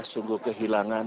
saya sungguh kehilangan